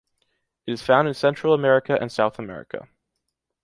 It is found in Central America and South America.